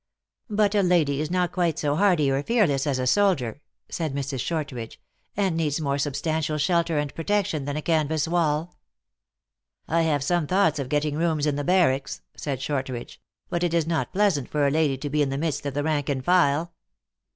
" But a lady is not quite so hardy or fearless as a soldier," said Mrs. Shortridge, " and needs more sub stantial shelter and protection than a canvas wall." " lhave some thoughts of getting rooms in the bar racks," said Shortridge ;" but it is not pleasant for a lady to be in the midst of the rank and file."